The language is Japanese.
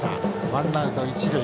ワンアウト、一塁。